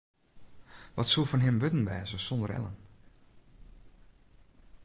Wat soe fan him wurden wêze sonder Ellen?